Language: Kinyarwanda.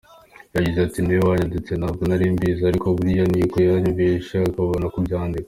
Yagize ati :”Niwe wayanditse ntabwo nari mbizi, ariko buriya ni uko yanyumvise akabona kubyandika”.